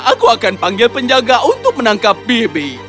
aku akan panggil penjaga untuk menangkap bibi